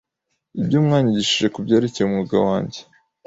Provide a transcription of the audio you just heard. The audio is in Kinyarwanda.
Ibyo wanyigishije kubyerekeye umwuga wanjye